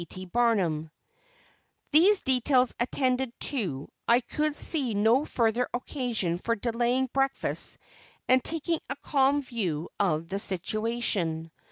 P. T. BARNUM. These details attended to, I could see no further occasion for delaying breakfast and taking a calm view of the situation.